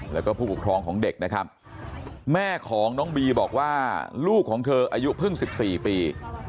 แล้วก็ผู้ปกครองของเด็กนะครับแม่ของน้องบีบอกว่าลูกของเธออายุเพิ่ง๑๔ปี